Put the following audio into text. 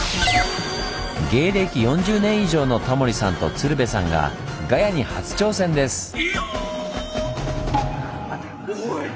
芸歴４０年以上のタモリさんと鶴瓶さんがガヤに初挑戦です！